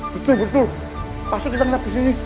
betul betul pasti kita melihat di sini